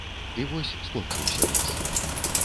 І вось скончыўся лес.